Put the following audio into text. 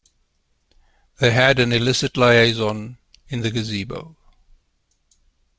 They had an illicit liaison in the gazebo.